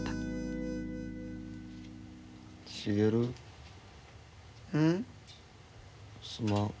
すまん。